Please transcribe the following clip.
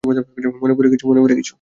মনে পড়ে কিছু?